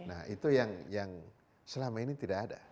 nah itu yang selama ini tidak ada